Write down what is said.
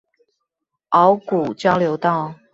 鰲鼓交流道